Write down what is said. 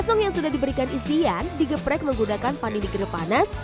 pilihan yang sudah diberikan isian digeprek menggunakan panini kering panas